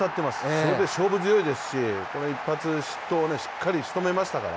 それで勝負強いですしこの１発失投をしとめましたから。